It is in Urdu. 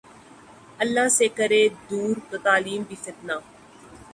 اللہ سے کرے دور ، تو تعلیم بھی فتنہ